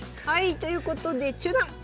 ということで中断。